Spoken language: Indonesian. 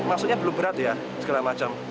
maksudnya belum berat ya segala macam